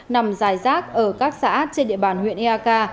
nằm dài rác ở các xã trên địa bàn huyện eak